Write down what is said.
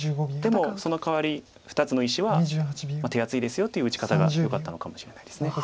「でもそのかわり２つの石は手厚いですよ」っていう打ち方がよかったのかもしれないです。